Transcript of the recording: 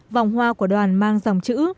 vòng hoa của đoàn mang dòng chữ